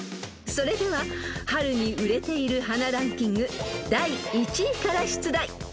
［それでは春に売れている花ランキング第１位から出題］